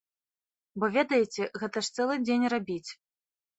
Бо ведаеце, гэта ж цэлы дзень рабіць!